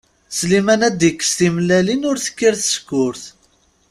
Sliman ad d-ikkes timellalin ur tekkir tsekkurt.